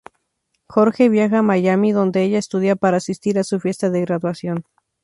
Jorge viaja a Miami donde ella estudia para asistir a su fiesta de graduación.